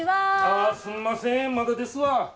ああすんませんまだですわ。